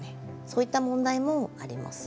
そういった問題もあります。